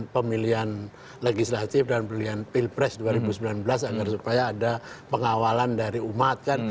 pemilihan legislatif dan pemilihan pilpres dua ribu sembilan belas agar supaya ada pengawalan dari umat kan